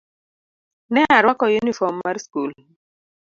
Ne arwako yunifom mar skul.